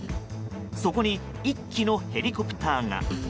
そこに１機のヘリコプターが。